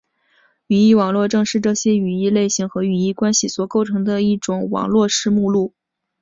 语义网络正是这些语义类型和语义关系所构成的一种网络式目录。